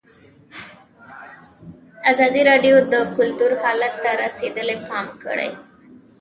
ازادي راډیو د کلتور حالت ته رسېدلي پام کړی.